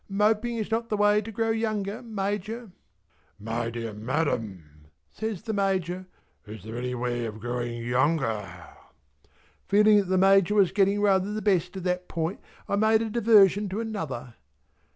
"Moping is not the way to grow younger Major." "My dear Madam," says the Major, "is there any way of growing younger?" Feeling that the Major was getting rather the best of that point I made a diversion to another.